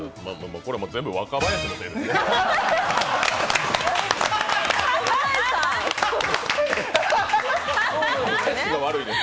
これは全部若林のせいです！